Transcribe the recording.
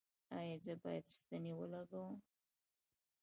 ایا زه باید ستنې ولګوم؟